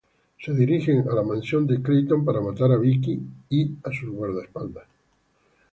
Se dirigen a la mansión de Clayton para matar a Vicki y sus guardaespaldas.